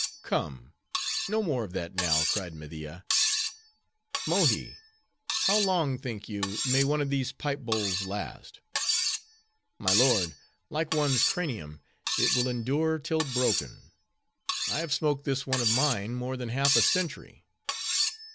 "Come, no more of that now," cried Media. "Mohi, how long think you, may one of these pipe bowls last?" "My lord, like one's cranium, it will endure till broken. I have smoked this one of mine more than half a century."